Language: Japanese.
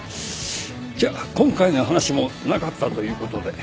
じゃあ今回の話もなかったということで。